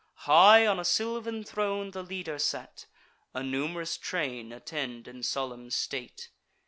High on a sylvan throne the leader sate; A num'rous train attend in solemn state.